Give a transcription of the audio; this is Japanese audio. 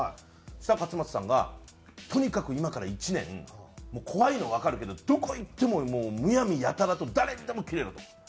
そしたら勝俣さんがとにかく今から１年もう怖いのはわかるけどどこ行ってももうむやみやたらと誰にでもキレろと。